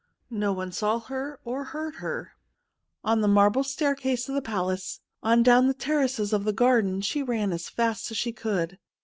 No one saw her or heard her — on the marble staircase of the palace, on down the terraces of the garden, she ran as fast as she could.